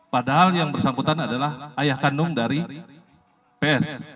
padahal yang bersangkutan adalah ayah kandung dari ps